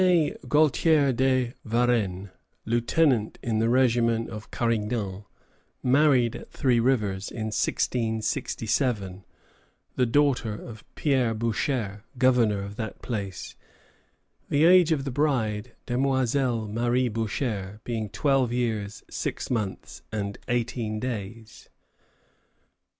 _] René Gaultier de Varennes, lieutenant in the regiment of Carignan, married at Three Rivers, in 1667, the daughter of Pierre Boucher, governor of that place; the age of the bride, Demoiselle Marie Boucher, being twelve years, six months, and eighteen days.